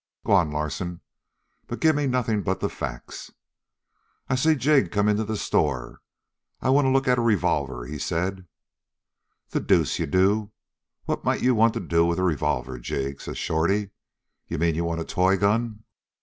"Go on, Larsen, but gimme nothin' but the facts." "I seen Jig come into the store. 'I want to look at a revolver,'" he said. "'The deuce you do! What might you want to do with a revolver, Jig?' says Shorty. 'You mean you want a toy gun?'